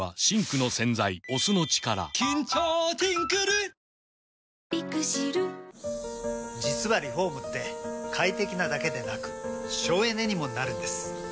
蓬莱さん、お天気、この時間は、実はリフォームって快適なだけでなく省エネにもなるんです。